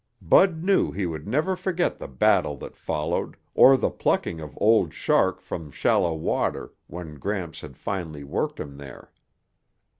Bud knew he would never forget the battle that followed or the plucking of Old Shark from shallow water when Gramps had finally worked him there.